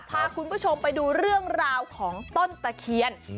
พาคุณผู้ชมไปดูเรื่องราวของต้นตะเคียน